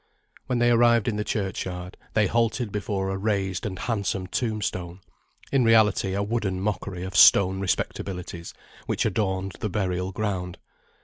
When they arrived in the churchyard, they halted before a raised and handsome tombstone; in reality a wooden mockery of stone respectabilities which adorned the burial ground.